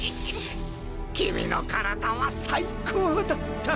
君の体は最高だった。